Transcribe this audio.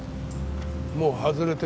もう外れてる。